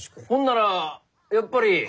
ほんならやっぱり。